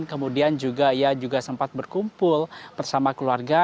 kemudian juga ia juga sempat berkumpul bersama keluarga